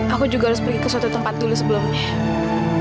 aku juga harus pergi ke suatu tempat dulu sebelumnya